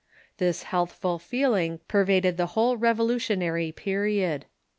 This healthful feeling pervaded the Avhole Revolutionary period.